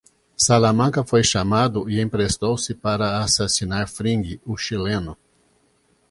Salamanca foi chamado e emprestou-se para assassinar Fring, o chileno.